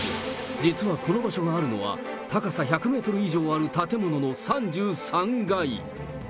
実はこの場所があるのは、高さ１００メートル以上ある建物の３３階。